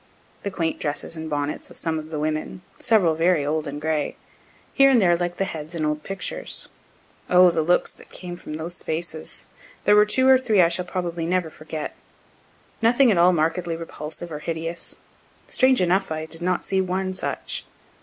The quaint dresses and bonnets of some of the women, several very old and gray, here and there like the heads in old pictures. O the looks that came from those faces! There were two or three I shall probably never forget. Nothing at all markedly repulsive or hideous strange enough I did not see one such.